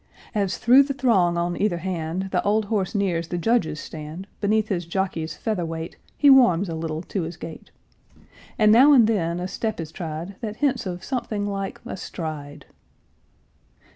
As through the throng on either hand The old horse nears the judges' stand, Beneath his jockey's feather weight He warms a little to his gait, And now and then a step is tried That hints of something like a stride.